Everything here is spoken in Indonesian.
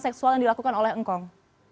seksual yang dilakukan oleh engkong